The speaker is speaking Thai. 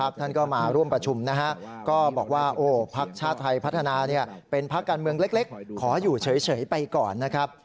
การประชุมขอรมอวันนี้ก็คลึกครับ